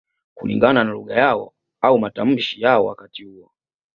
Kulingana na lugha yao au matamshi yao wakati huo